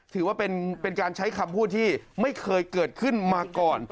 ถือว่าเป็นการใช้คำพูดที่ไม่เคยเกิดขึ้นมาก่อน